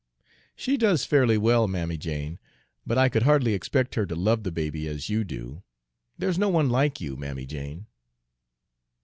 "She does fairly well, Mammy Jane, but I could hardly expect her to love the baby as you do. There's no one like you, Mammy Jane."